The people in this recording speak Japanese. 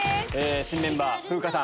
新メンバー風花さん